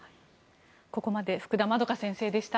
ここまで福田円先生でした。